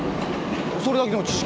それだけの知識